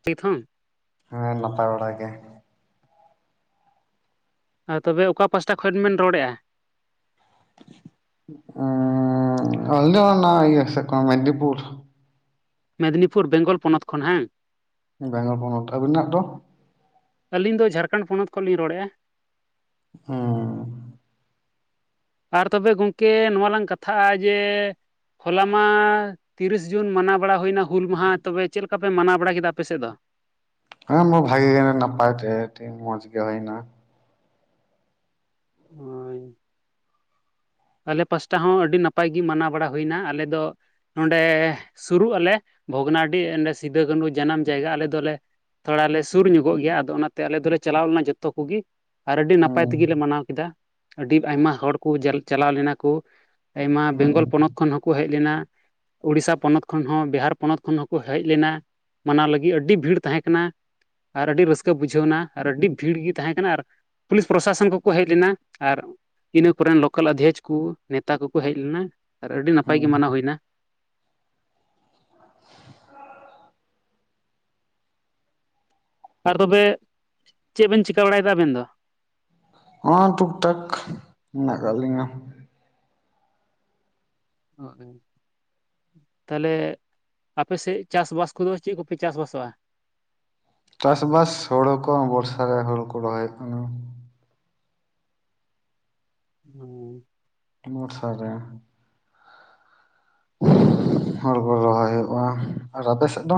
[unintelligible] ᱦᱮᱸ ᱱᱟᱯᱟᱭ ᱵᱟᱲᱟ ᱜᱮ᱾ ᱟᱨ ᱛᱚᱵᱮ ᱚᱠᱟ ᱯᱟᱥᱴᱟ ᱠᱷᱚᱱ ᱵᱮᱱ ᱨᱚᱲᱮᱜᱼᱟ? ᱮᱸᱻ [unintelligible] ᱱᱟ ᱤᱭᱟᱹᱟ ᱥᱮᱫ ᱠᱷᱚᱱ ᱢᱮᱫᱽᱱᱤᱯᱩᱨ᱾ ᱢᱮᱫᱽᱱᱤᱯᱩᱨ ᱵᱮᱝᱜᱚᱞ ᱯᱚᱱᱚᱛ ᱠᱷᱚᱱ ᱦᱟᱝ? ᱵᱮᱝᱜᱚᱞ ᱯᱚᱱᱚᱛ, ᱟᱵᱤᱱᱟᱜ ᱫᱚ? ᱟᱹᱞᱤᱧ ᱫᱚ ᱡᱷᱟᱲᱠᱷᱚᱸᱰ ᱯᱚᱱᱚᱛ ᱠᱷᱚᱱᱞᱤᱧ ᱨᱚᱲᱮᱫᱼᱟ᱾ ᱦᱩᱻ ᱟᱨ ᱛᱚᱵᱮ ᱜᱚᱝᱠᱮ ᱱᱚᱣᱟ ᱞᱝ ᱠᱟᱛᱷᱟᱜᱼᱟ ᱡᱮᱻ ᱦᱚᱞᱟ ᱢᱟᱻ ᱛᱤᱨᱤᱥ ᱡᱩᱱ ᱢᱟᱱᱟᱣ ᱵᱟᱲᱟ ᱦᱩᱭᱱᱟ ᱦᱩᱞ ᱢᱟᱦᱟ ᱛᱚᱵᱮ ᱪᱮᱫ ᱞᱮᱠᱟ ᱯᱮ ᱢᱟᱱᱟᱣ ᱵᱟᱲᱟ ᱠᱮᱫᱟ ᱟᱯᱮᱥᱮᱫ ᱫᱚ? ᱟᱢ ᱦᱚ ᱵᱷᱟᱜᱤ ᱜᱮ ᱱᱟᱯᱟᱭ ᱛᱮ ᱢᱚᱡᱽ ᱜᱮ ᱦᱩᱭ‌ᱱᱟ᱾ ᱦᱳᱭ ᱟᱞᱮ ᱯᱟᱥᱴᱟ ᱦᱚᱸ ᱟᱹᱰᱤ ᱱᱟᱯᱟᱭ ᱜᱤ ᱢᱟᱱᱟᱣ ᱵᱟᱲᱟ ᱦᱩᱭᱱᱟ ᱟᱞᱮ ᱫᱚ ᱱᱚᱸᱰᱮ ᱥᱩᱨᱩᱜ ᱟᱞᱮ ᱵᱷᱚᱜᱽᱱᱟᱰᱤ ᱚᱸᱰᱮ ᱥᱤᱫᱩ ᱠᱟᱹᱱᱩ ᱡᱟᱱᱟᱢ ᱡᱟᱭᱜᱟ ᱟᱞᱮ ᱫᱚᱞᱮ ᱛᱷᱚᱲᱟ ᱞᱮ ᱥᱩᱨ ᱧᱚᱜᱚᱜ ᱜᱤᱭᱟ ᱟᱫᱚ ᱚᱱᱟᱛᱮ ᱟᱞᱮ ᱫᱚᱞᱮ ᱪᱟᱞᱟᱣ ᱞᱮᱱᱟ ᱡᱚᱛᱚ ᱠᱚᱜᱮ, ᱟᱨ ᱟᱹᱰᱤ ᱱᱟᱯᱟᱭ ᱦᱩᱸ ᱛᱮᱜᱮᱞᱮ ᱢᱟᱱᱟᱣ ᱠᱤᱫᱟ ᱟᱹᱰᱤ ᱟᱭᱢᱟ ᱦᱚᱲ ᱠᱚ ᱡᱟ ᱪᱟᱞᱟᱣ ᱞᱮᱱᱟ ᱠᱩ᱾ ᱟᱭᱢᱟ ᱵᱮᱝᱜᱚᱞ ᱦᱩᱸ ᱯᱚᱱᱚᱛ ᱠᱷᱚᱱ ᱦᱚᱸᱠᱚ ᱦᱮᱡ ᱞᱮᱱᱟ᱾ ᱩᱬᱤᱥᱥᱟ ᱯᱚᱱᱚᱛ ᱠᱷᱚᱱ ᱦᱚᱸ ᱵᱤᱦᱟᱨ ᱯᱚᱱᱚᱛ ᱠᱷᱚᱱ ᱦᱚᱸᱠᱚ ᱦᱮᱡ ᱞᱮᱱᱟ᱾ ᱢᱟᱱᱟᱣ ᱞᱟᱹᱜᱤᱫ ᱟᱹᱰᱤ ᱵᱷᱤᱲ ᱛᱟᱦᱮᱸ ᱠᱟᱱᱟ᱾ ᱟᱨ ᱟᱹᱰᱤ ᱨᱟᱹᱥᱠᱟᱹ ᱵᱩᱡᱷᱟᱹᱣᱱᱟ ᱟᱨ ᱟᱹᱰᱤ ᱵᱷᱤᱲ ᱜᱤ ᱛᱟᱦᱮᱸ ᱠᱟᱱᱟ ᱟᱨ ᱯᱩᱞᱤᱥ ᱯᱨᱚᱥᱟᱥᱚᱱ ᱠᱚᱠᱚ ᱦᱮᱡ ᱞᱮᱱᱟ ᱟᱨ ᱤᱱᱟᱹ ᱠᱚᱨᱮᱱ ᱞᱳᱠᱟᱞ ᱟᱫᱷᱚᱠ ᱠᱚ ᱱᱮᱛᱟ ᱠᱚᱠᱚ ᱦᱮᱡ ᱞᱮᱱᱟ ᱟᱨ ᱟᱹᱰᱤ ᱱᱟᱯᱟᱭ ᱦᱩᱸ ᱜᱮ ᱢᱟᱱᱟᱣ ᱦᱩᱭᱱᱟ᱾ [inaudible] ᱟᱨ ᱛᱚᱵᱮ ᱪᱮᱫ ᱵᱮᱱ ᱪᱤᱠᱟᱹ ᱵᱟᱲᱟᱭᱮᱫᱟ ᱟᱵᱮᱱ ᱫᱚ? ᱦᱸ ᱴᱩᱠ ᱴᱟᱠ ᱢᱮᱱᱟᱜ ᱠᱟᱜ ᱞᱤᱧᱟ᱾ [unintelligible] ᱛᱟᱦᱚᱞᱮ ᱟᱯᱮ ᱥᱮᱜ ᱪᱟᱥᱵᱟᱥ ᱠᱚᱫᱚ ᱪᱮᱫ ᱠᱚᱯᱮ ᱪᱟᱥ ᱵᱟᱥᱚᱜᱼᱟ? ᱪᱟᱥᱵᱟᱥ ᱦᱳᱲᱳ ᱠᱚ ᱵᱚᱨᱥᱟ ᱨᱮ ᱦᱳᱬᱳ ᱠᱚ ᱨᱚᱦᱚᱭᱮᱫ ᱠᱟᱱᱟ᱾ [unintelligible] ᱵᱚᱲᱥᱟ ᱨᱮ ᱦᱚᱲᱳ ᱠᱚ ᱨᱚᱦᱚᱭ ᱦᱩᱭᱩᱜᱼᱟ, ᱟᱨ ᱟᱯᱮ ᱥᱮᱫ ᱫᱚ?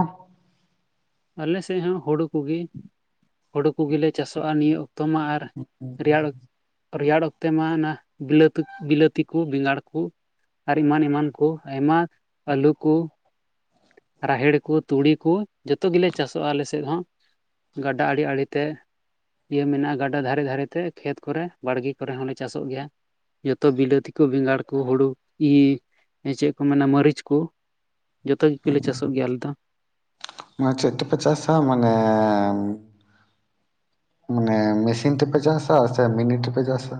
ᱟᱞᱮᱥᱮᱡ ᱦᱚᱸ ᱦᱳᱲᱳ ᱠᱩᱜᱤ ᱦᱳᱲᱩ ᱠᱩᱜᱤ ᱞᱮ ᱪᱟᱥᱚᱜᱼᱟ ᱱᱤᱭᱟᱹ ᱚᱠᱛᱚ ᱢᱟ ᱟᱨ ᱨᱮᱭᱟᱲ ᱨᱮᱭᱟᱲ ᱚᱠᱛᱮ ᱢᱟ ᱚᱱᱟ ᱵᱤᱞᱟᱹᱛᱤ ᱵᱤᱞᱟᱹᱛᱤ ᱠᱩ ᱵᱮᱸᱜᱟᱲ ᱠᱩ, ᱟᱨ ᱮᱢᱟᱱᱻ ᱮᱢᱟᱱ ᱠᱚ, ᱟᱭᱢᱟ ᱟᱹᱞᱩ ᱠᱚ᱾ ᱨᱟᱦᱮᱲ ᱠᱚ, ᱛᱩᱲᱤ ᱠᱚ, ᱡᱚᱛᱚ ᱜᱮᱞᱮ ᱪᱟᱥᱚᱜᱼᱟ ᱟᱞᱮ ᱥᱮᱫ ᱦᱚᱸ ᱜᱟᱰᱟ ᱟᱲᱮ- ᱟᱲᱮ ᱛᱮ᱾ ᱤᱭᱟᱹ ᱢᱮᱱᱟᱜᱼᱟ, ᱜᱟᱰᱟ ᱫᱷᱟᱨᱮ- ᱫᱷᱟᱨᱮᱛᱮ, ᱠᱷᱮᱛ ᱠᱚᱨᱮ, ᱵᱟᱲᱜᱮ ᱠᱚᱨᱮ ᱦᱚᱸᱞᱮ ᱪᱟᱥᱚᱜ ᱜᱮᱭᱟ᱾ ᱡᱚᱛᱚ ᱵᱤᱞᱟᱹᱛᱤ ᱠᱚ, ᱵᱮᱸᱜᱟᱲ ᱠᱚ, ᱦᱩᱲᱩ ᱤ ᱪᱮᱫ ᱠᱚ ᱢᱮᱱᱟ ᱢᱟᱹᱨᱤᱪ ᱠᱚ᱾ ᱡᱚᱛᱚ ᱜᱮᱞᱮ ᱪᱟᱥᱚᱜ ᱜᱮᱭᱟ ᱟᱞᱮ ᱫᱚ᱾ ᱚᱱᱟ ᱪᱮᱛᱮᱯᱮ ᱪᱟᱥᱟ ᱢᱟᱱᱮ ᱢᱟᱱᱮ ᱢᱮᱥᱤᱱ ᱛᱮᱯᱮ ᱪᱟᱥᱟ, ᱥᱮ ᱢᱤᱱᱤ ᱛᱮᱯᱮ ᱪᱟᱥᱟ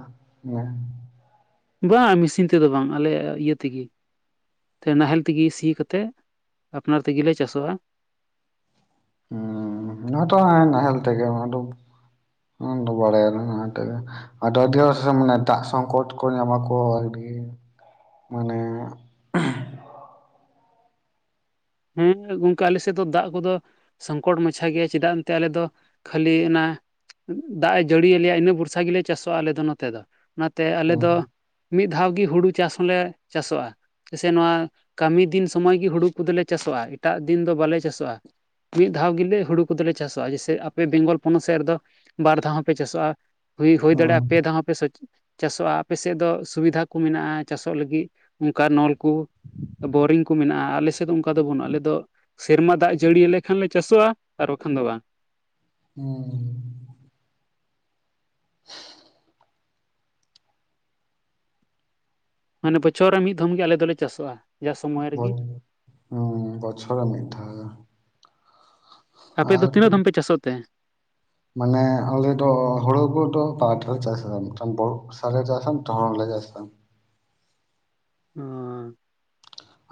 ᱵᱟ ᱢᱮᱥᱤᱱ ᱛᱮᱫᱚ ᱵᱟᱝ ᱟᱞᱮᱭᱟ ᱤᱭᱟᱹ ᱛᱤᱜᱤ ᱛᱮ ᱱᱟᱦᱮᱞ ᱛᱤᱜᱤ ᱥᱤ ᱠᱟᱛᱮᱫ, ᱟᱯᱱᱟᱨ ᱛᱮᱜᱤ ᱞᱮ ᱪᱟᱥᱚᱜᱼᱟ ᱚᱱᱟᱛᱚ ᱦᱟᱸᱟᱭ ᱱᱟᱦᱮᱞ ᱛᱮᱜᱮ ᱚᱱᱟ ᱫᱚ ᱵᱟᱲᱟᱭ ᱟᱞᱮ ᱟᱫᱚ ᱟᱹᱰᱤ ᱦᱚᱲ ᱥᱮᱫ ᱢᱟᱱᱮ ᱫᱟᱜ ᱥᱚᱝᱠᱚᱴ ᱠᱚ ᱧᱟᱢᱟᱠᱚ ᱟᱹᱰᱤ ᱢᱟᱱᱮ ᱦᱮᱸ ᱜᱚᱝᱠᱮ ᱟᱞᱮ ᱥᱮᱫ ᱫᱚ ᱫᱟᱜ ᱠᱚᱫᱚ ᱥᱚᱝᱠᱚᱴ ᱢᱟᱪᱷᱟ ᱜᱮᱭᱟ ᱪᱮᱫᱟᱜ ᱮᱱᱛᱮ ᱟᱞᱮ ᱫᱚ ᱠᱷᱟᱹᱞᱤ ᱚᱱᱟ ᱫᱟᱜ ᱮ ᱡᱟᱹᱲᱤᱭᱟᱞᱮᱭᱟ ᱤᱱᱟᱹ ᱵᱷᱚᱨᱥᱟ ᱜᱮᱞᱮ ᱪᱟᱥᱚᱜᱼᱟ ᱟᱞᱮ ᱫᱚ ᱱᱟᱛᱮ ᱫᱚ, ᱚᱱᱟᱛᱮ ᱟᱞᱮ ᱦᱩᱸ ᱫᱚ ᱢᱤᱫ ᱫᱷᱟᱣ ᱜᱤ ᱦᱩᱲᱩ ᱪᱟᱥ ᱦᱚᱸᱞᱮ ᱪᱟᱥᱚᱜᱼᱟ, ᱥᱮ ᱱᱚᱣᱟ ᱠᱟᱹᱢᱤ ᱫᱤᱱ ᱥᱚᱢᱚᱭ ᱜᱤ ᱦᱩᱲᱩ ᱠᱚᱫᱚᱞᱮ ᱪᱟᱥᱚᱜᱼᱟ, ᱮᱴᱟᱜ ᱫᱤᱱ ᱫᱚ ᱵᱟᱞᱮ ᱪᱟᱥᱚᱜᱼᱟ ᱢᱤᱫ ᱫᱷᱟᱣ ᱜᱤᱞᱮ ᱦᱩᱲᱩ ᱠᱚᱫᱚᱞᱮ ᱪᱟᱥᱚᱜᱼᱟ ᱡᱮᱥᱮ ᱟᱯᱮ ᱵᱮᱝᱜᱚᱞ ᱯᱚᱱᱚᱛ ᱥᱮᱫ ᱨᱮᱫᱚ? ᱵᱟᱨ ᱫᱷᱟᱣ ᱦᱚᱸ ᱯᱮ ᱪᱟᱥᱚᱜᱼᱟ ᱦᱩᱭ ᱦᱩᱭ ᱦᱩᱸ ᱫᱟᱲᱮᱜᱼᱟ ᱯᱮ ᱫᱷᱟᱣ ᱦᱚᱸ ᱯᱮ ᱪᱟᱥᱚᱜᱼᱟ, ᱟᱯᱮ ᱥᱮᱫ ᱫᱚ ᱥᱩᱵᱤᱫᱷᱟ ᱠᱚ ᱢᱮᱱᱟᱜᱼᱟ ᱪᱟᱥᱚᱜ ᱞᱟᱹᱜᱤᱫ᱾ ᱚᱱᱠᱟ ᱱᱚᱞᱠᱩ ᱵᱳᱨᱤᱝ ᱠᱚ ᱢᱮᱱᱟᱜᱼᱟ ᱟᱞᱮᱥᱮᱫ ᱫᱚ ᱠᱟ ᱫᱚ ᱵᱟᱹᱱᱩᱜᱼᱟ ᱟᱞᱮ ᱫᱚ ᱥᱮᱨᱢᱟ ᱫᱟᱜ ᱡᱟᱹᱲᱤᱭᱟᱞᱮ ᱠᱷᱟᱱ ᱞᱮ ᱪᱟᱥᱚᱜᱼᱟ ᱟᱨ ᱵᱟᱠᱷᱟᱱ ᱫᱚ ᱵᱟᱝ ᱦᱩᱸ ᱢᱟᱱᱮ ᱵᱚᱪᱷᱚᱨ ᱨᱮ ᱢᱤᱫ ᱫᱷᱚᱢ ᱜᱤ ᱟᱞᱮ ᱫᱚᱞᱮ ᱪᱟᱥᱚᱜᱼᱟ ᱡᱟ ᱥᱚᱢᱚᱭ ᱨᱮᱜᱮ ᱵᱚᱡ ᱦᱩᱸ ᱵᱚᱪᱷᱚᱨᱮ ᱢᱤᱫ ᱫᱷᱟ ᱟᱯᱮ ᱫᱚ ᱛᱤᱱᱟᱹᱜ ᱫᱚᱢ ᱯᱮ ᱪᱟᱥᱚ ᱛᱮ? ᱢᱟᱱᱮ ᱟᱞᱮ ᱫᱚ ᱦᱩᱲᱩ ᱠᱚᱫᱚ ᱵᱟᱨ ᱫᱷᱟᱣ ᱪᱟᱥᱟᱢ ᱢᱤᱫᱟᱱ ᱵᱚᱨᱥᱟ ᱞᱮ ᱪᱟᱥᱟ [unintelligible] ᱦᱩᱸ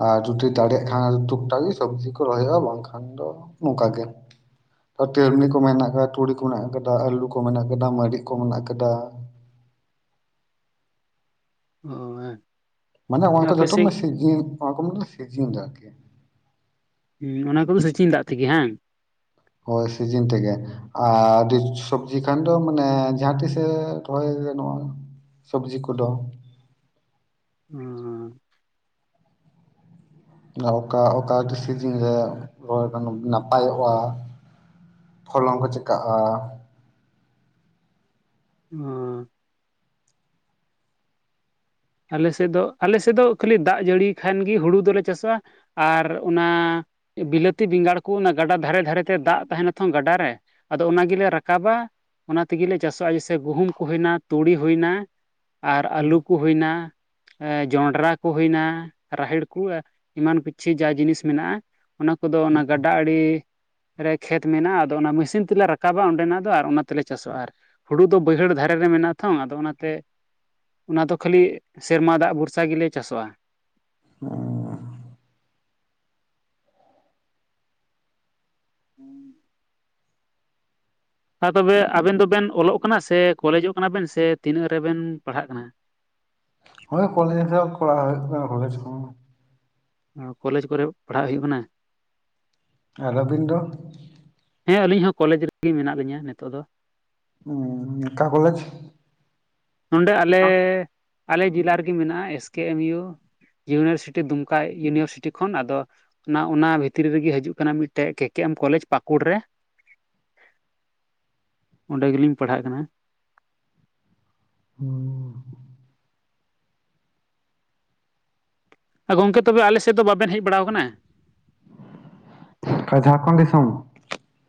ᱟᱨ ᱡᱩᱫᱤ ᱫᱟᱲᱮᱜ ᱠᱷᱟᱱ ᱴᱩᱠ-ᱴᱟᱜᱮ ᱥᱚᱵᱡᱤ ᱠᱚ ᱨᱚᱦᱚᱭᱼᱟ ᱵᱟᱝᱠᱷᱟᱱ ᱫᱚ ᱱᱚᱝᱠᱟᱜᱮ ᱴᱮᱨᱢᱤ ᱠᱚ ᱢᱮᱱᱟᱜ ᱟᱠᱟᱫᱟ, ᱛᱩᱲᱤ ᱠᱚ ᱢᱮᱱᱟᱜ ᱟᱠᱟᱫᱟ, ᱟᱹᱞᱩ ᱠᱚ ᱢᱮᱱᱟᱜ ᱟᱠᱟᱫᱟ, ᱢᱟᱹᱨᱤᱡ ᱠᱚ ᱢᱮᱱᱟᱜ ᱟᱠᱟᱫᱟ᱾ [unintelligible] ᱢᱟᱱᱮ ᱚᱱᱟ ᱠᱚ ᱟᱯᱮ ᱡᱚᱛᱚᱢᱮ ᱥᱮᱫ ᱚᱱᱟ ᱠᱚᱢᱮ ᱥᱤᱡᱤᱱ ᱨᱮ ᱟᱨᱠᱤ ᱦᱩᱸ ᱚᱱᱟ ᱠᱚᱫᱚ ᱥᱮᱪᱤᱱ ᱫᱟᱜ ᱛᱤᱜᱤ ᱦᱟᱝ ᱦᱳᱭ ᱥᱤᱡᱤᱱ ᱛᱮᱜᱮ ᱟᱨ ᱟᱹᱰᱤ ᱥᱚᱵᱡᱤ ᱠᱷᱟᱱ ᱫᱚ ᱢᱟᱱᱮ ᱡᱟᱦᱟᱸ ᱛᱤᱥᱮ ᱨᱚᱦᱚᱭ ᱜᱟᱱᱚ-ᱟ ᱥᱚᱵᱡᱤ ᱠᱚᱫᱚ ᱦᱩᱸ ᱚᱠᱟ ᱚᱠᱟ ᱥᱤᱡᱤᱱ ᱨᱮ ᱨᱚᱦᱚᱭ ᱱᱟᱯᱟᱭᱚᱜᱼᱟ ᱯᱷᱚᱞᱚᱱ ᱠᱚ ᱪᱤᱠᱟᱜᱼᱟ ᱩᱸ ᱟᱞᱮ ᱥᱮᱫ ᱫᱚ ᱟᱞᱮ ᱥᱮᱫ ᱫᱚ ᱠᱷᱟᱹᱞᱤ ᱫᱟᱜ ᱡᱟᱹᱲᱤ ᱠᱷᱟᱱ ᱜᱤ ᱦᱩᱲᱩ ᱫᱚᱞᱮ ᱪᱟᱥᱚᱜᱼᱟ ᱟᱨ ᱚᱱᱟ ᱵᱤᱞᱟᱹᱛᱤ ᱵᱮᱸᱜᱟᱲ ᱠᱚ ᱚᱱᱟ ᱜᱟᱰᱟ ᱫᱷᱟᱨᱮ ᱫᱷᱟᱨᱮ ᱛᱮ ᱫᱟᱜ ᱛᱟᱦᱮᱱᱟ ᱛᱚ ᱜᱟᱰᱟ ᱨᱮ ᱟᱫᱚ ᱚᱱᱟ ᱜᱤᱞᱮ ᱨᱟᱠᱟᱵᱟ ᱚᱱᱟ ᱛᱤᱜᱤᱞᱮ ᱪᱟᱥᱚᱜᱼᱟ ᱡᱮᱥᱮ ᱜᱩᱦᱩᱢ ᱠᱚ ᱦᱩᱭᱱᱟ ᱛᱩᱲᱤ ᱦᱩᱭᱱᱟ ᱟᱨ ᱟᱹᱞᱩ ᱠᱚ ᱦᱩᱭᱱᱟ ᱡᱚᱱᱰᱨᱟ ᱠᱩ ᱦᱩᱭᱱᱟ, ᱨᱟᱦᱮᱲ ᱠᱩ ᱮᱢᱟᱱ ᱩᱪᱪᱷᱮᱡᱟ ᱡᱤᱱᱤᱥ ᱢᱮᱱᱟᱜᱼᱟ ᱚᱱᱟ ᱠᱚᱫᱚ ᱚᱱᱟ ᱜᱟᱰᱟ ᱟᱲᱤ ᱨᱮ ᱠᱷᱮᱛ ᱢᱮᱱᱟᱜᱼᱟ ᱟᱫᱚ ᱚᱱᱟ ᱢᱤᱥᱤᱱ ᱛᱮᱞᱮ ᱨᱟᱠᱟᱵᱟ ᱚᱸᱰᱮᱱᱟᱜ ᱫᱚ ᱟᱨ ᱚᱱᱟ ᱛᱮᱞᱮ ᱪᱟᱥᱚᱜᱼᱟ ᱟᱨ ᱦᱩᱲᱩ ᱫᱚ ᱵᱟᱹᱭᱦᱟᱹᱲ ᱫᱷᱟᱨᱮ ᱨᱮ ᱢᱮᱱᱟᱜᱼᱟ ᱛᱚ ᱟᱫᱚ ᱚᱱᱟᱛᱮ ᱚᱱᱟ ᱫᱚ ᱠᱷᱟᱹᱞᱤ ᱥᱮᱨᱢᱟ ᱫᱟᱜ ᱵᱷᱚᱨᱥᱟ ᱜᱮᱞᱮ ᱪᱟᱥᱚᱜᱼᱟ ᱚᱻ [unintelligible] ᱛᱚᱵᱮ ᱟᱵᱮᱱ ᱫᱚᱵᱮᱱ ᱚᱞᱚᱜ ᱠᱟᱱᱟ ᱥᱮ ᱠᱚᱞᱮᱡᱚᱜ ᱠᱟᱱᱟ ᱵᱮᱱ ᱥᱮ ᱛᱤᱱᱟᱹᱜ ᱨᱮᱵᱮᱱ ᱯᱟᱲᱦᱟᱜ ᱠᱟᱱᱟ? ᱦᱳᱭ ᱠᱚᱞᱮᱡ ᱦᱚ ᱠᱚᱲᱟᱣ ᱦᱳᱭᱳᱜ ᱠᱟᱱᱟ ᱠᱚᱞᱮᱡᱽ ᱠᱚᱦᱚᱸ ᱠᱚᱞᱮᱡᱽ ᱠᱚᱨᱮ ᱯᱟᱲᱦᱟᱜ ᱦᱩᱭᱩᱜ ᱠᱟᱱᱟ ᱟᱨ ᱟᱵᱤᱱ ᱫᱚ? ᱦᱮᱸ ᱟᱹᱞᱤᱧ ᱦᱚᱸ ᱠᱚᱞᱮᱡᱽ ᱨᱮᱜᱮ ᱢᱮᱱᱟᱜ ᱞᱤᱧᱟ ᱱᱤᱛᱚᱜ ᱫᱚ ᱩᱸᱻ ᱚᱠᱟ ᱠᱚᱞᱮᱡᱽ? ᱱᱚᱰᱮ ᱟᱞᱮ ᱟᱞᱮ ᱡᱮᱞᱟ ᱨᱮᱜᱮ ᱢᱮᱱᱟᱜᱼᱟ S K M U university ᱫᱩᱢᱠᱟ ᱤᱭᱩᱱᱤᱵᱷᱟᱨᱥᱤᱴᱤ ᱠᱷᱚᱱ ᱟᱫᱚ ᱚᱱᱟ ᱚᱱᱟ ᱵᱷᱤᱛᱨᱤ ᱨᱮᱜᱮ ᱦᱤᱡᱩᱜ ᱠᱟᱱᱟ ᱢᱤᱫᱴᱮᱡ ᱠᱮ ᱠᱮ ᱮᱢ ᱠᱚᱞᱮᱡᱽ ᱯᱟᱟᱹᱠᱩᱲ ᱨᱮ ᱚᱸᱰᱮ ᱜᱮᱞᱤᱧ ᱯᱟᱲᱦᱟᱜ ᱠᱟᱱᱟ ᱦᱩᱸ ᱜᱚᱝᱠᱮ ᱛᱚᱵᱮ ᱟᱞᱮ ᱥᱮᱫ ᱫᱚ ᱵᱟᱵᱮᱱ ᱦᱮᱡ ᱵᱟᱲᱟᱟᱣ ᱟᱠᱟᱱᱟ? ᱚᱠᱟ ᱡᱷᱟᱲᱠᱷᱚᱱᱰ ᱫᱤᱥᱚᱢ?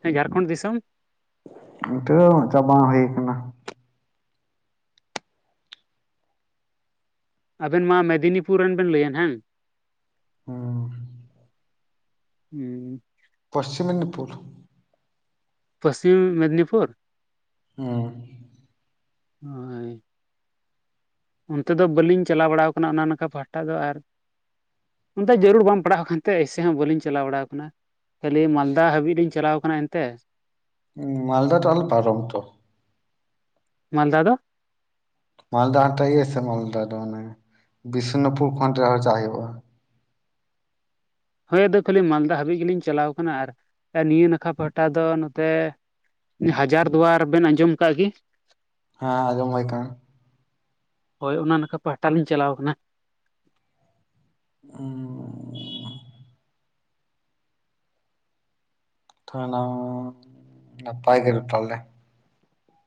ᱦᱮᱸ ᱡᱷᱟᱲᱠᱷᱚᱸᱰ ᱫᱤᱥᱚᱢ ᱱᱤᱛᱟᱹ ᱪᱟᱵᱟ ᱦᱩᱭ ᱠᱟᱱᱟ ᱟᱵᱮᱱ ᱢᱟ ᱢᱮᱫᱽᱱᱤᱯᱩᱨ ᱨᱮᱱ ᱵᱮᱱ ᱞᱟᱹᱭᱮᱱ ᱦᱮᱸ ᱦᱚᱸ ᱦᱮᱸ ᱯᱚᱥᱪᱤᱢ ᱢᱮᱫᱽᱱᱤᱯᱩᱨ ᱯᱚᱥᱪᱤᱢ ᱢᱮᱫᱽᱱᱤᱯᱩᱨ ᱦᱩᱸ ᱦᱳᱭ ᱚᱱᱛᱮ ᱫᱚ ᱵᱟᱹᱞᱤᱧ ᱪᱟᱞᱟᱣ ᱵᱟᱲᱟᱣ ᱟᱠᱟᱱᱟ ᱚᱱᱟ ᱱᱚᱝᱠᱟ ᱯᱟᱦᱟᱴᱟ ᱫᱚ ᱟᱨ ᱚᱱᱛᱮ ᱡᱟᱹᱨᱩᱲ ᱵᱟᱝ ᱯᱟᱲᱟᱣ ᱟᱠᱟᱱ ᱛᱮ ᱮᱭᱥᱮ ᱦᱚᱸ ᱵᱟᱹᱞᱤᱧ ᱪᱟᱞᱟᱣ ᱵᱟᱲᱟᱣ ᱟᱠᱟᱱᱟ ᱠᱷᱟᱹᱞᱤ ᱢᱟᱞᱫᱟ ᱦᱟᱹᱵᱤᱡ ᱞᱤᱧ ᱪᱟᱞᱟᱣ ᱟᱠᱟᱱᱟ ᱮᱱᱛᱮ ᱢᱟᱞᱫᱟ ᱛᱚ ᱟᱞᱮ ᱯᱟᱨᱚᱢ ᱛᱚ ᱢᱟᱞᱫᱟ ᱫᱚ ᱢᱟᱞᱫᱟ [unintelligible] ᱢᱟᱞᱫᱟ ᱫᱚ ᱟᱱᱮ ᱵᱤᱥᱱᱩᱯᱩᱨ ᱠᱷᱚᱱ ᱟᱨᱦᱚᱸ ᱪᱟᱜ ᱦᱩᱭᱩᱜᱼᱟ ᱦᱳᱭ ᱟᱫᱚ ᱠᱷᱟᱹᱞᱤ ᱢᱟᱞᱫᱟ ᱦᱟᱹᱵᱤᱡ ᱜᱮᱞᱤᱧ ᱪᱟᱞᱟᱣ ᱟᱠᱟᱱᱟ ᱟᱨ ᱱᱤᱭᱟᱹ ᱱᱟᱠᱷᱟ ᱯᱟᱦᱴᱟ ᱫᱚ ᱱᱚᱛᱮ ᱦᱟᱡᱟᱨ ᱫᱩᱣᱟᱨ ᱵᱮᱱ ᱟᱸᱡᱚᱢ ᱟᱠᱟᱫ ᱜᱮ ᱦᱮᱸ ᱟᱡᱚᱢ ᱦᱳᱭ ᱠᱟᱱᱟ ᱦᱳᱭ ᱚᱱᱟ ᱱᱟᱠᱷᱟ ᱯᱟᱦᱴᱟ ᱞᱤᱧ ᱪᱟᱞᱟᱣ ᱟᱠᱟᱱᱟ ᱚ ᱛ ᱱᱟ ᱱᱟᱯᱟᱭ ᱜᱮ ᱛᱟᱞᱮ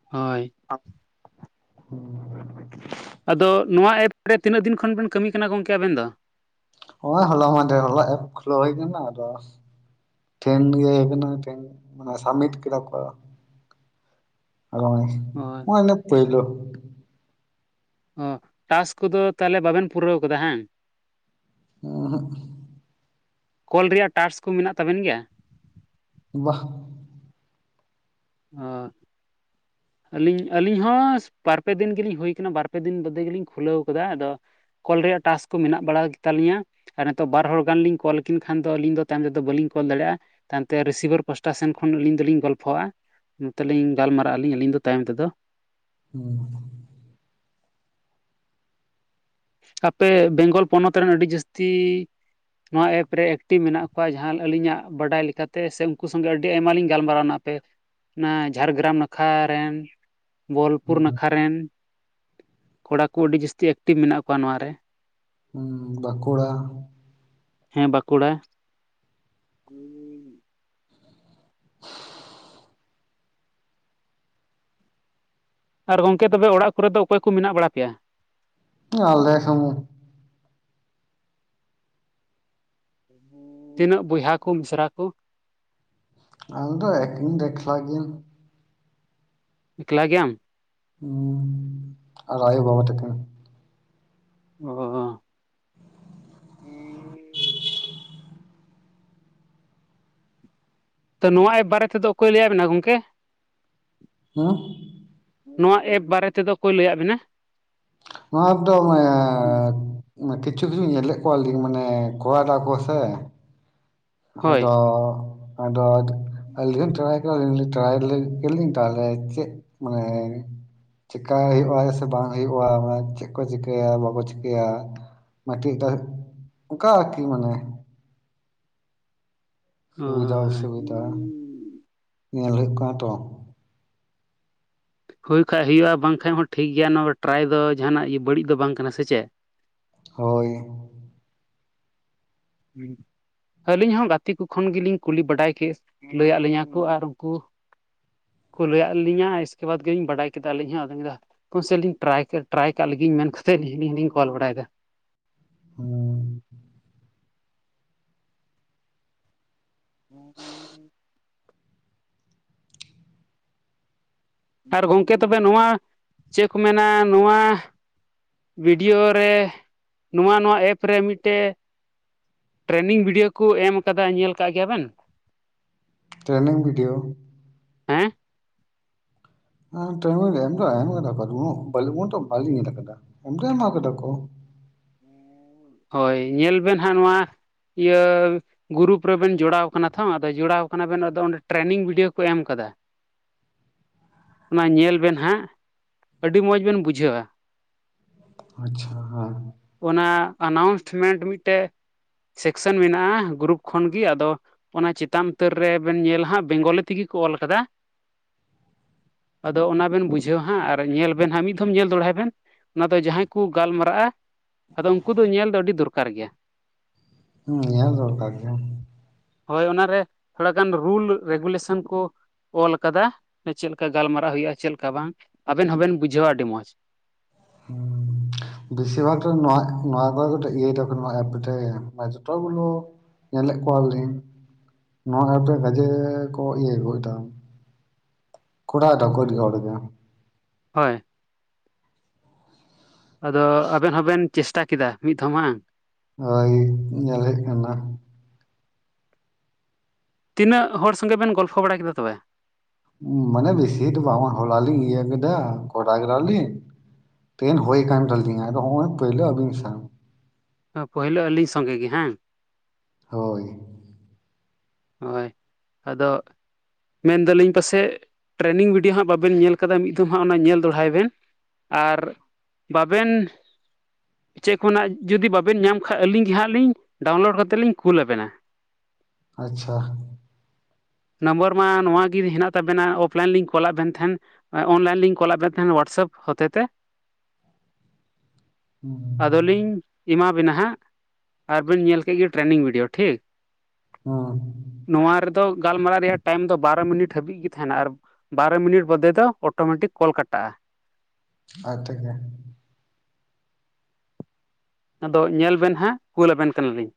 ᱦᱳᱭ [unintelligible] ᱟᱫᱚ ᱱᱚᱣᱟ ᱮᱯ ᱨᱮ ᱛᱤᱱᱟᱹᱜ ᱫᱤᱱ ᱠᱷᱚᱱ ᱵᱮᱱ ᱠᱟᱹᱢᱤ ᱠᱟᱱᱟ ᱜᱚᱝᱠᱮ ᱟᱵᱮᱱ ᱫᱚ? ᱱᱚᱜ-ᱚᱭ ᱦᱚᱞᱟ ᱢᱟᱫᱷᱮᱨ ᱦᱚᱞᱟ ᱮᱯ ᱠᱷᱩᱞᱳ ᱦᱩᱭ ᱠᱟᱱᱟ ᱟᱫᱚ ᱛᱮᱦᱮᱧ ᱜᱮ ᱤᱵᱷᱤᱱᱤᱝ ᱴᱟᱭᱤᱢ ᱢᱟᱱᱮ ᱥᱟᱵᱢᱤᱴ ᱠᱮᱫᱟ ᱠᱚ ᱟᱨᱚᱭ ᱦᱳ [unintelligible] ᱯᱳᱭᱞᱳ ᱚ ᱴᱟᱥᱠ ᱠᱚᱫᱚ ᱛᱟᱦᱚᱞᱮ ᱵᱟᱵᱮᱱ ᱯᱩᱨᱟᱹᱣ ᱠᱟᱫᱟ ᱦᱟᱝ? ᱩᱸᱦᱩᱜ ᱠᱚᱞ ᱨᱮᱭᱟᱜ ᱴᱟᱥᱠ ᱠᱚ ᱢᱮᱱᱟᱜ ᱛᱟᱵᱮᱱ ᱜᱮᱭᱟ? ᱵᱟ ᱚ ᱟᱹᱞᱤᱧ ᱟᱹᱞᱤᱧ ᱦᱚᱸ ᱵᱟᱨ ᱯᱮ ᱫᱤᱱ ᱜᱮᱞᱤᱧ ᱦᱩᱭ ᱟᱠᱟᱱᱟ ᱵᱟᱨ ᱯᱮ ᱫᱤᱱ ᱢᱚᱫᱽᱫᱷᱮ ᱜᱮᱞᱤᱧ ᱠᱷᱩᱞᱟᱹᱣ ᱟᱠᱟᱫᱟ ᱟᱫᱚ ᱠᱚᱞ ᱨᱮᱭᱟᱜ ᱴᱟᱥᱠ ᱠᱚ ᱢᱮᱱᱟᱜ ᱵᱟᱲᱟ ᱜᱮᱛᱟᱞᱤᱧᱟ ᱟᱨ ᱱᱤᱛᱚᱜ ᱵᱟᱨ ᱦᱚᱲ ᱜᱟᱱ ᱞᱤᱧ ᱠᱚᱞ ᱟᱹᱠᱤᱱ ᱠᱷᱟᱱ ᱫᱚ ᱟᱹᱞᱤᱧ ᱫᱚ ᱛᱟᱭᱚᱢ ᱛᱮᱫᱚ ᱵᱟᱹᱞᱤᱧ ᱠᱚᱞ ᱫᱟᱲᱮᱭᱟᱜᱼᱟ, ᱛᱟᱭᱚᱢᱛᱮ ᱨᱤᱥᱤᱵᱷᱟᱨ ᱯᱟᱥᱴᱟ ᱥᱮᱱ ᱠᱷᱚᱱ ᱟᱹᱞᱤᱧ ᱫᱚᱞᱤᱧ ᱜᱚᱞᱯᱷᱚᱜᱼᱟ ᱱᱚᱛᱚᱜ ᱞᱤᱧ ᱜᱟᱞᱢᱟᱨᱟᱜ-ᱟ ᱟᱹᱞᱤᱧ ᱟᱹᱞᱤᱧ‌ᱫᱚ ᱛᱟᱭᱚᱢ ᱛᱮᱫᱚ ᱦᱩᱸ ᱟᱯᱮ ᱵᱮᱝᱜᱚᱞ ᱯᱚᱱᱚᱛ ᱨᱮᱱ ᱟᱹᱰᱤ ᱡᱟᱹᱥᱛᱤ ᱱᱚᱣᱟ ᱮᱯ ᱨᱮ ᱮᱠᱴᱤᱵᱷ ᱢᱮᱱᱟᱜ ᱠᱚᱣᱟ ᱡᱟᱦᱟᱸ ᱟᱹᱞᱤᱧᱟᱜ ᱵᱟᱰᱟᱭ ᱞᱮᱠᱟᱛᱮ ᱥᱮ ᱩᱱᱠᱩ ᱥᱚᱸᱜᱮ ᱟᱹᱰᱤ ᱟᱭᱢᱟ ᱞᱤᱧ ᱜᱟᱞᱢᱟᱨᱟᱣ‌ᱱᱟ ᱟᱯᱮ ᱚᱱᱟ ᱡᱷᱟᱲᱜᱨᱟᱢ ᱱᱟᱠᱷᱟ ᱨᱮᱱ ᱵᱳᱞᱯᱩᱨ ᱱᱟᱠᱷᱟ ᱨᱮᱱ ᱠᱚᱲᱟ ᱠᱚ ᱟᱹᱰᱤ ᱡᱟᱹᱥᱛᱤ ᱮᱠᱴᱤᱵᱷ ᱢᱮᱱᱟᱜ ᱠᱚᱣᱟ ᱱᱚᱣᱟᱣ ᱨᱮ, ᱦᱩᱸ ᱵᱟᱸᱠᱩᱲᱟ, ᱦᱮᱸ ᱵᱟᱸᱠᱩᱲᱟ, [unintelligible] ᱟᱨ ᱜᱚᱢᱠᱮ ᱛᱚᱵᱮ ᱚᱲᱟᱜ ᱠᱚᱨᱮ ᱫᱚ ᱚᱠᱚᱭ ᱠᱚ ᱢᱮᱱᱟᱜ ᱵᱟᱲᱟ ᱯᱮᱭᱟ? ᱟᱞ ᱥ [unintelligible] ᱛᱤᱱᱟᱹᱜ ᱵᱚᱭᱦᱟ ᱠᱚ ᱢᱤᱥᱨᱟ ᱠᱚ? ᱤᱧ ᱫᱚ ᱮᱠᱞᱟ ᱜᱤᱭᱟᱹᱧ ᱾ ᱮᱠᱞᱟ ᱜᱮᱭᱟᱢ? ᱟᱨ ᱟᱭᱳ ᱵᱟᱵᱟ ᱛᱟᱠᱤᱱ᱾ ᱚᱼ ᱛᱚ ᱱᱚᱣᱟ ᱮᱯ ᱵᱟᱨᱮ ᱛᱮᱫᱚ ᱚᱠᱚᱭ ᱞᱟᱹᱭ ᱟᱫ ᱵᱮᱱᱟ ᱜᱚᱢᱠᱮ? ᱦᱮᱸ [unintelligible] ᱱᱚᱣᱟ ᱮᱯ ᱵᱟᱨᱮ ᱛᱮᱫᱚ ᱚᱠᱚᱭ ᱞᱟᱹᱭᱟᱫ ᱵᱮᱱᱟ ᱱᱚᱣᱟ ᱮᱯ ᱫᱚ ᱠᱤᱪᱷᱩ ᱫᱤᱱ ᱧᱮᱞᱮᱫ ᱠᱚᱣᱟ ᱞᱤᱧ ᱢᱟᱱᱮ ᱠᱚᱨᱟᱣ ᱫᱟᱠᱚ ᱥᱮ ᱦᱳᱭ ᱟᱫᱚ ᱟᱹᱞᱤᱧ ᱦᱚᱸ [unintelligible] ᱛᱟᱦᱚᱞᱮ ᱪᱮᱫ ᱢᱟᱱᱮ, ᱪᱤᱠᱟᱹᱭ ᱦᱩᱭᱩᱜᱼᱟ, ᱥᱮ ᱵᱟᱝ ᱦᱩᱭᱩᱜᱼᱟ ᱪᱮᱫ ᱠᱚ ᱪᱤᱠᱟᱹᱭᱟ ᱵᱟᱠᱚ ᱪᱤᱠᱟᱹᱭᱟ, ᱢᱟᱴᱤᱡᱴ [unintelligible] ᱚᱱᱠᱟ ᱟᱨᱠᱤ ᱢᱟᱱᱮ ᱥᱩᱵᱤᱫᱷᱟ ᱦᱳᱭ ᱚᱥᱩᱵᱤᱫᱷᱟ ᱧᱮᱞ ᱦᱩᱭᱩᱜ ᱠᱟᱱᱟ ᱛᱚ᱾ ᱦᱩᱭᱩᱜ ᱠᱷᱟᱱᱡ ᱦᱩᱭᱩᱜᱼᱟ ᱵᱟᱝᱠᱟᱱᱡ ᱦᱚᱸ ᱴᱷᱤᱠ ᱜᱮᱭᱟ ᱱᱚᱣᱟ ᱴᱨᱟᱭ ᱫᱚ ᱡᱟᱦᱟᱱᱟᱜ ᱵᱟᱹᱲᱤᱡ ᱫᱚ ᱵᱟᱝ ᱠᱟᱱᱟ ᱥᱮ ᱪᱮᱫ᱾ ᱦᱳᱭ, ᱦᱮᱸ [unintelligible] ᱟᱹᱞᱤᱧ ᱦᱚᱸ ᱜᱟᱛᱮ ᱠᱚ ᱠᱷᱚᱱ ᱜᱮᱞᱤᱧ ᱠᱩᱞᱤ ᱵᱟᱰᱟᱭ ᱠᱮᱫ ᱞᱟᱹᱭᱟᱫ ᱞᱤᱧᱟᱹᱠᱚ ᱟᱨ ᱩᱱᱠᱩ ᱠᱚ ᱞᱟᱹᱭᱟᱫ ᱞᱤᱧᱟ ᱮᱫᱠᱮᱵᱟᱫ ᱜᱮᱞᱤᱧ ᱵᱟᱰᱟᱭ ᱠᱮᱫᱟ ᱟᱹᱞᱤᱧ ᱦᱚᱸ ᱾ [unintelligible] ᱴᱨᱟᱭ ᱠᱟᱜ ᱞᱟᱹᱜᱤᱧ ᱢᱮᱱ ᱠᱟᱛᱮᱛ ᱟᱹᱞᱤᱧ ᱞᱤᱧ ᱠᱚᱞ ᱵᱟᱲᱟᱭ ᱮᱫᱟ᱾ ᱦ [unintelligible] ᱦᱩᱸ [unintelligible] ᱟᱨ ᱜᱚᱢᱠᱮ ᱛᱚᱵᱮ ᱱᱚᱣᱟ ᱪᱮᱫ ᱠᱚ ᱢᱮᱱᱟ ᱱᱚᱣᱟ ᱵᱷᱤᱰᱤᱭᱳ ᱨᱮ ᱱᱚᱣᱟ ᱮᱯ ᱨᱮ ᱢᱤᱫᱴᱮᱱ ᱴᱨᱮᱱᱤᱝ ᱵᱷᱤᱰᱭᱳ ᱠᱚ ᱮᱢ ᱟᱠᱟᱫᱟ ᱧᱮᱞ ᱟᱠᱟᱫ ᱜᱮᱭᱟ ᱵᱮᱱ? ᱴᱨᱮᱱᱝ ᱵᱷᱤᱰᱤᱭᱳ, ᱦᱮᱸ ᱮᱢ‌‌ ᱫᱚ ᱮᱢ ᱟᱠᱟᱫᱟ ‌ ᱠᱚ ᱩᱱᱟᱹᱜ ᱫᱚ ᱵᱟᱝᱞᱤᱧ ᱧᱮᱞ ᱟᱠᱟᱫᱟ, ᱮᱡ ᱫᱚ ᱮᱢ ᱟᱠᱟᱫᱟ ᱠᱚ ᱦᱳᱭ ᱧᱮᱞ ᱵᱮᱱ ᱦᱟᱸᱜ ᱱᱚᱣᱟ ᱤᱭᱟᱹ ᱜᱩᱨᱩᱯᱷ ᱨᱮᱵᱮᱱ ᱡᱚᱲᱟᱣ ᱠᱟᱱᱟ ᱛᱚ ᱟᱫᱚ ᱚᱸᱰᱮ ᱴᱨᱮᱱᱤᱝ ᱵᱷᱤᱰᱭᱳ ᱠᱚ ᱮᱢ ᱟᱠᱟᱫᱟ᱾ [inaudible] ᱚᱱᱟ ᱧᱮᱞ ᱵᱮᱱ ᱦᱟᱸᱜ ᱟᱹᱰᱤ ᱢᱚᱡᱽ ᱵᱮᱱ ᱵᱩᱡᱷᱟᱹᱣ-ᱟ᱾ ᱟᱪᱪᱷᱟ, ᱦᱮᱸ ᱚᱱᱟ ᱟᱱᱟᱣᱩᱱᱥᱢᱮᱱᱴ ᱢᱤᱫᱴᱮᱱ ᱥᱮᱠᱥᱮᱱ ᱢᱮᱱᱟᱜᱼᱟ ᱜᱩᱨᱩᱯᱷ ᱠᱷᱚᱱᱜᱮ ᱟᱫᱚ ᱚᱱᱟ ᱪᱮᱛᱟᱱ ᱩᱛᱟᱹᱨ ᱨᱮᱵᱮᱱ ᱧᱮᱞᱟ ᱦᱟᱹᱜ ᱵᱮᱝᱜᱚᱞᱤ ᱛᱮᱜᱮ ᱠᱚ ᱚᱞ ᱟᱠᱟᱫᱟ᱾ [inaudible] ᱟᱫᱚ ᱚᱱᱟ ᱵᱮᱱ ᱵᱩᱡᱷᱟᱹᱣᱟ ᱦᱟᱸᱜ ᱟᱨ ᱧᱮᱞ ᱵᱮᱱ ᱦᱟᱸᱜ ᱢᱤᱫ ᱫᱷᱚᱢ ᱧᱮᱞ ᱫᱚᱲᱦᱟᱭ ᱵᱮᱱ᱾ ᱚᱱᱟ ᱫᱚ ᱡᱟᱦᱟᱸᱭ ᱠᱩ ᱜᱟᱞᱢᱟᱨᱟᱜ-ᱟ ᱟᱫᱚ ᱩᱱᱠᱩ ᱫᱚ ᱧᱮᱞ ᱫᱚ ᱟᱹᱰᱤ ᱫᱚᱨᱠᱟᱨ ᱜᱮᱭᱟ᱾ ᱦᱩᱸ ᱧᱮᱞ‌ ᱫᱚᱲᱠᱟᱨ ᱜᱮᱭᱟ᱾ ᱦᱚᱭ ᱚᱱᱟ ᱨᱮ ᱛᱷᱚᱲᱟ ᱜᱟᱱ ᱨᱩᱞ ᱨᱮᱜᱩᱞᱮᱥᱚᱱ ᱠᱚᱼᱼ ᱚᱞ ᱟᱠᱟᱫᱟ ᱪᱮᱫ ᱞᱮᱠᱟ ᱜᱟᱞᱢᱟᱨᱟᱜ ᱦᱩᱭᱩᱜ-ᱟ ᱪᱮᱫ ᱞᱮᱠᱟ ᱵᱟᱝ ᱟᱵᱮᱱ ᱦᱚᱸ ᱵᱮᱱ ᱵᱩᱡᱷᱟᱹᱣᱟ ᱟᱹᱰᱤ ᱢᱚᱡ᱾ ᱦᱩᱸᱻ᱾ ᱵᱮᱥᱤᱨ ᱵᱷᱟᱜ ᱨᱮ ᱱᱚᱣᱟ ᱱᱚᱣᱟ ᱫᱚ ᱢᱤᱫᱴᱮᱡ ᱤᱭᱟᱹ ᱫᱚ ᱠᱟᱱᱟ ᱱᱚᱣᱟ ᱮᱯ ‌ᱢᱤᱫᱴᱮᱡ ᱡᱚᱴᱟ ᱵᱚᱞᱚ ᱼᱼ ᱧᱮᱞᱮᱜ ᱠᱚᱣᱟ ᱞᱤᱧ ᱱᱚᱣᱟ ᱮᱯ ᱨᱮ ᱜᱟᱡᱮ ᱠᱚ ᱤᱭᱟᱹ ᱜᱚᱜ ᱫᱟ᱾ ᱠᱚᱲᱟ ᱫᱚ ᱠᱩᱲᱤ ᱦᱚᱲ ᱜᱮ᱾ ᱦᱚᱭ᱾ ᱟᱫᱚ ᱟᱵᱮᱱ ᱦᱚᱸ ᱵᱮᱱ ᱪᱮᱥᱴᱟ ᱠᱮᱫᱟ ᱢᱤᱫ ᱫᱷᱟᱣ ᱢᱟᱝ? ᱦᱚᱭ ᱧᱮᱞ ᱦᱩᱭᱩᱜ ᱠᱟᱱᱟ᱾ ᱛᱤᱱᱟᱹᱜ ᱦᱚᱲ ᱥᱚᱸᱜᱮ ᱵᱮᱱ ᱜᱚᱞᱯᱷᱚ ᱵᱟᱲᱟ ᱠᱮᱫᱟ ᱛᱚᱵᱮ? ᱩᱸ ᱢᱟᱱᱮ ᱵᱮᱥᱤ ᱫᱚ ᱵᱟᱝ ᱦᱚᱸᱜᱼᱚᱭ ᱦᱚᱞᱟ ᱞᱤᱧ ᱤᱭᱟᱹ ᱠᱮᱫᱟ ᱠᱚᱨᱟᱣ ᱠᱮᱫᱟ ᱞᱤᱧᱼᱼ ᱛᱤᱦᱤᱱ ᱦᱳᱭ ᱠᱟᱱ ᱛᱟᱹᱞᱤᱧᱟ ᱟᱫᱚ ᱦᱚᱸᱜᱼᱚᱭ ᱯᱟᱹᱭᱞᱟᱹ ᱟᱵᱤᱱ ᱥᱟᱶ᱾ ᱯᱳᱭᱞᱳ ᱟᱹᱞᱤᱧ ᱥᱚᱸᱜᱮ ᱜᱮ ᱦᱟᱝ᱾ ᱦᱳᱭ᱾ ᱦᱚᱭ ᱟᱫᱚ᱾ ᱢᱮᱱ ᱫᱟᱹᱞᱤᱧ ᱯᱟᱥᱮᱡ ᱴᱨᱮᱱᱤᱝ ᱵᱤᱰᱭᱳ ᱦᱟᱸᱜ ᱵᱟᱵᱮᱱ ᱧᱮᱞ ᱠᱟᱫᱟ ᱢᱤᱫ ᱫᱚᱢ ᱦᱟᱸᱜ ᱚᱱᱟ ᱧᱮᱞ ᱫᱚᱲᱦᱟᱭ ᱵᱮᱱ᱾ ᱟᱨ ᱵᱟᱵᱮᱱᱼᱼ ᱪᱮᱜ ᱠᱷᱚᱱᱟᱜ ᱡᱩᱫᱤ ᱵᱟᱵᱤᱱ ᱧᱟᱢ ᱠᱷᱟᱡ ᱟᱹᱞᱤᱧ. ᱜᱮ ᱦᱟᱸᱜ ᱞᱤᱧ ᱰᱟᱣᱩᱱᱞᱳᱰ ᱠᱟᱛᱮᱜ ᱞᱤᱧ ᱠᱩᱞ ᱟᱵᱮᱱᱟ᱾ ᱟᱪᱪᱷᱟ᱾ ᱱᱚᱢᱵᱚᱨ ᱢᱟ ᱱᱚᱶᱟ ᱜᱤ ᱦᱮᱱᱟᱜ ᱛᱟᱵᱮᱱᱟ ᱚᱯᱷᱞᱟᱭᱤᱱ ᱞᱤᱧ ᱠᱚᱞᱟᱜ ᱵᱮᱱ ᱛᱟᱦᱮᱸᱱ᱾ ᱮᱸ ᱚᱱᱞᱟᱭᱤᱱ ᱞᱤᱧ ᱠᱚᱞᱟᱜ ᱵᱮᱱ ᱛᱟᱦᱮᱱ ᱚᱣᱟᱴᱥᱚᱯ ᱦᱚᱛᱮ ᱛᱮ᱾ ᱦᱩᱸ ᱟᱫᱚ ᱞᱤᱧᱼᱼ ᱤᱢᱟ ᱵᱤᱱᱟ ᱦᱟᱸᱜ ᱟᱨ ᱵᱤᱱ ᱧᱮᱞ ᱠᱮᱜ ᱜᱤ ᱴᱨᱮᱱᱤᱝ ᱵᱷᱤᱰᱤᱭᱳ ᱴᱷᱤᱠ᱾ ᱦᱚᱸ᱾ ᱱᱚᱣᱟ ᱨᱮᱫᱚ ᱜᱟᱞᱢᱟᱨᱟᱣ ᱨᱮᱭᱟᱜ ᱴᱟᱭᱤᱢ ᱫᱚ ᱵᱟᱨᱚ ᱢᱤᱱᱤᱴ ᱦᱟᱹᱵᱤᱡ ᱜᱮ ᱛᱟᱦᱮᱱᱟ ᱟᱨᱼᱼ ᱵᱟᱨᱚ ᱢᱤᱱᱤᱴ ᱵᱟᱫᱮ ᱫᱚ ᱚᱴᱚᱢᱮᱴᱤᱠ ᱠᱚᱞ ᱠᱟᱴᱟᱜ-ᱟ᱾ ᱟᱡ ᱛᱮᱜᱮ᱾ ᱟᱫᱚ ᱧᱮᱞ ᱵᱮᱱ ᱦᱟᱸᱜ ᱠᱩᱞ ᱟᱵᱮᱱ ᱠᱟᱱᱟ ᱞᱤᱧ᱾